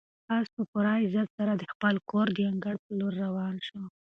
آس په پوره عزت سره د خپل کور د انګړ په لور روان شو.